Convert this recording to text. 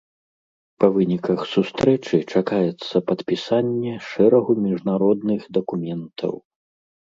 Па выніках сустрэчы чакаецца падпісанне шэрагу міжнародных дакументаў.